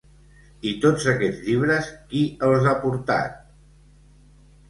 I tots aquests llibres, qui els ha portat?